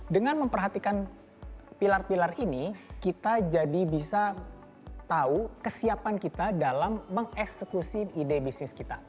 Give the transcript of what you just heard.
dengan memperhatikan pilar pilar ini kita jadi bisa tahu kesiapan kita dalam mengeksekusi ide bisnis kita